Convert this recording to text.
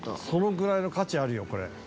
そのぐらいの価値あるよこれ。